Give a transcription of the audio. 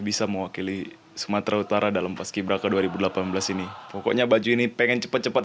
bisa mewakili sumatera utara dalam paski braka dua ribu delapan belas ini pokoknya baju ini pengen cepat cepat